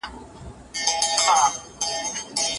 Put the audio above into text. شاګرد په ځینو خبرو کي له استاد سره مخالفت کولای سي.